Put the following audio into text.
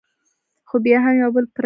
خو بیا هم یو بل پردي بولو.